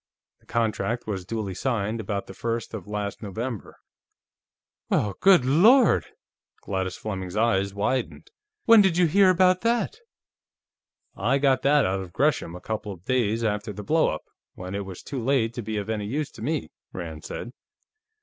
The contract was duly signed about the first of last November." "Well, good Lord!" Gladys Fleming's eyes widened. "When did you hear about that?" "I got that out of Gresham, a couple of days after the blow up, when it was too late to be of any use to me," Rand said.